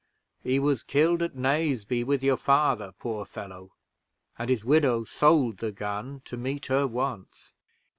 He was killed at Naseby, with your father, poor fellow! and his widow sold the gun to meet her wants."